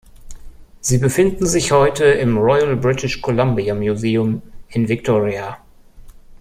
Sie befinden sich heute im "Royal British Columbia Museum" in Victoria.